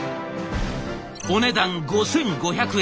お値段５，５００円。